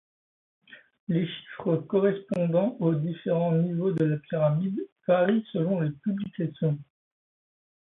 Les chiffres correspondant aux différents niveaux de la pyramide varient selon les publications.